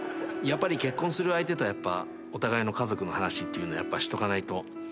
やっぱり結婚する相手とはお互いの家族の話っていうのしとかないと。